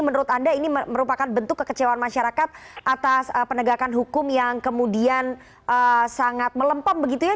menurut anda ini merupakan bentuk kekecewaan masyarakat atas penegakan hukum yang kemudian sangat melempam begitu ya